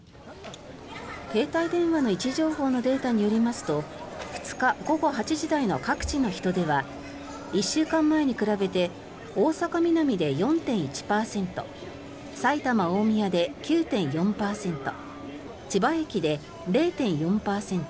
携帯電話の位置情報のデータによりますと２日午後８時台の各地の人出は１週間前に比べて大阪・ミナミで４．１％埼玉・大宮で９．４％千葉駅で０．４％